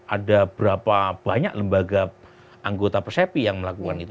ada berapa banyak lembaga anggota persepi yang melakukan itu